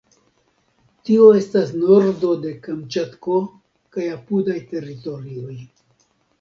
Tio estas nordo de Kamĉatko kaj apudaj teritorioj.